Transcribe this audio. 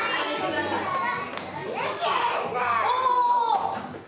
お！